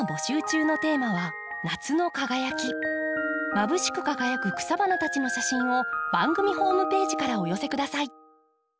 まぶしく輝く草花たちの写真を番組ホームページからお寄せ下さい。